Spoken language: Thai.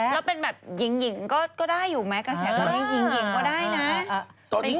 แล้วเป็นแบบหญิงก็ได้อยู่ไหมกระแสตอนนี้หญิงก็ได้นะ